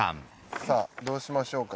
さぁどうしましょうか？